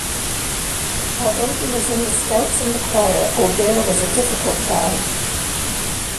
Although he was in the scouts and the choir, Aubert was a difficult child.